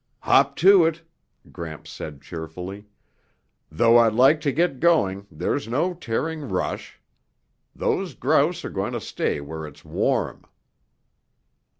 "Hop to it," Gramps said cheerfully. "Though I'd like to get going there's no tearing rush. Those grouse are going to stay where it's warm."